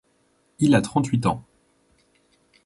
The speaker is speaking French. Il a trente-huit ans.